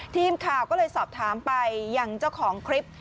ทีมข่าวก็เลยสอบถามไปยังเจ้าของคลิป